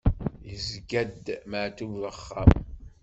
Yesɣa-d Maɛṭub axxam?